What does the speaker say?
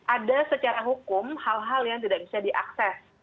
ada secara hukum hal hal yang tidak bisa diakses